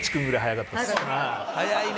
早いね。